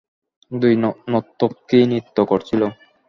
দুই নর্তকী নৃত্য করছিল।